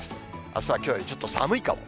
あすはきょうよりちょっと寒いかも。